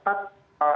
apakah data itu semua